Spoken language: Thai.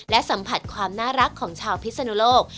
และสัมผัสความน่ารักของชาวพิศนุโลก